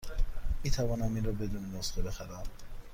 می توانم این را بدون نسخه بخرم؟